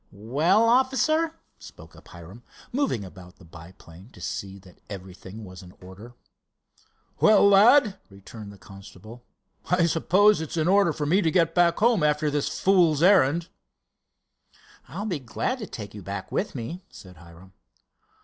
"Well, officer?" spoke up Hiram, moving about the biplane to see that everything was in order. "Well, lad," returned the constable, "I suppose it's in order for me to get back home after this fool's errand." "I'll be glad to take you back with me," said Hiram.